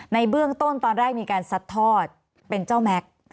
ในเบื้องต้นตอนแรกมีการซัดทอดเป็นเจ้าแม็กซ์